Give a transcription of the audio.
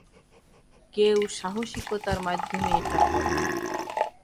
কেউ সাহসিকতার মাধ্যমে এটা করে।